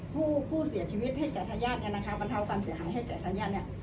ผู้ผู้เสียชีวิตให้กับทหารย่านเนี้ยนะคะบรรเทาการเสียหายให้กับทหารย่านเนี้ย